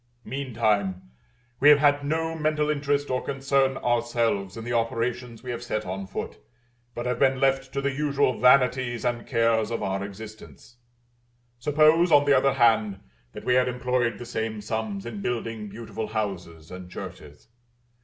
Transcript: Meantime we have had no mental interest or concern ourselves in the operations we have set on foot, but have been left to the usual vanities and cares of our existence. Suppose, on the other hand, that we had employed the same sums in building beautiful houses and churches.